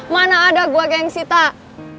mana ada gua gengsi tak